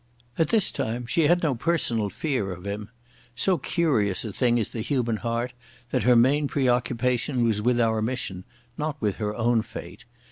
At this time she had no personal fear of him. So curious a thing is the human heart that her main preoccupation was with our mission, not with her own fate.